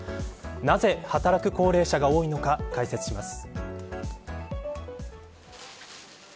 なぜ働く高齢者が多いのか解説します。